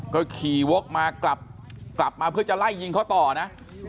ก็ขี่วกมากลับมาเพื่อจะไล่ยิงเขาต่อนะ